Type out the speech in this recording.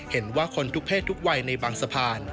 เห็นว่าคนทุกเพศทุกวัยในบางสะพาน